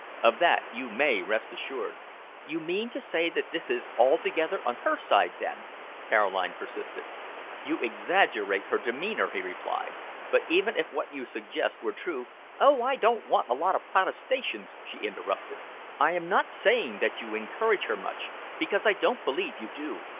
Of that you may rest assured." "You mean to say that this is altogether on her side, then?" Caroline persisted. "You exaggerate her demeanour," he replied, "but even if what you suggest were true " "Oh, I don't want a lot of protestations!" she interrupted. "I am not saying that you encourage her much, because I don't believe you do.